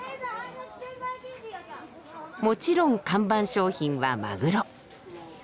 もちろん看板商品はマグロ。